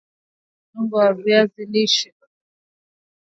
vyakula vya unga ngano vyaweza kupikwa kwa unga wa viazi lishe